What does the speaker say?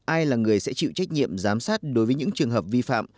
ai là người sẽ chịu trách nhiệm giám sát đối với những trường hợp vi phạm